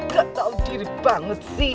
gak tahu diri banget sih